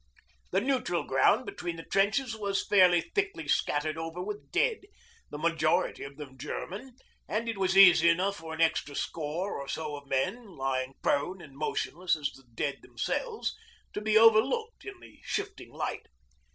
The 'neutral ground' between the trenches was fairly thickly scattered over with dead, the majority of them German, and it was easy enough for an extra score or so of men, lying prone and motionless as the dead themselves, to be overlooked in the shifting light.